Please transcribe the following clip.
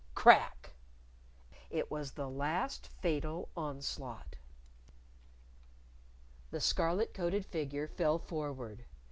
Crack!_ It was the last fatal onslaught. The scarlet coated figure fell forward.